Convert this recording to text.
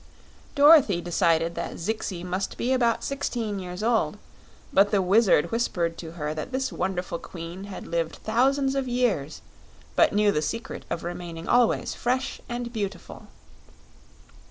Dorothy decided that Zixi must be about sixteen years old, but the Wizard whispered to her that this wonderful queen had lived thousands of years, but knew the secret of remaining always fresh and beautiful.